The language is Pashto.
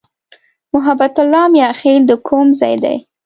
محبت الله "میاخېل" د کوم ځای دی؟